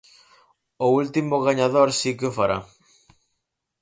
O último gañador si que o fará.